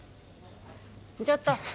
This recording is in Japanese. ちょっと！